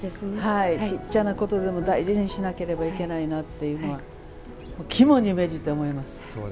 ちっちゃなことでも大事にしなきゃいけないというのは肝に銘じて思います。